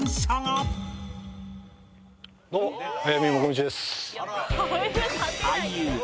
どうも速水もこみちです。